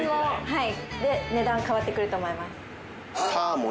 はい。